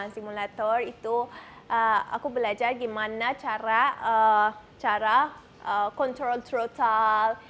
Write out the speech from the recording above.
simulator itu aku belajar gimana cara control trotle